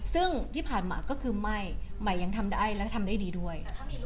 ซึ่งที่ผ่านมาก็คือไม่ใหม่ยังทำได้และทำได้ดีด้วย